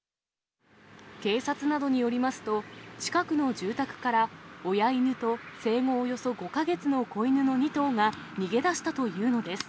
警察などによりますと、近くの住宅から、親犬と生後およそ５か月の子犬の２頭が逃げ出したというのです。